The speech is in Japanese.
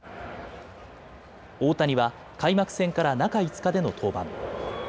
大谷は開幕戦から中５日での登板。